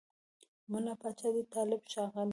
مُلا پاچا دی طالب ښاغلی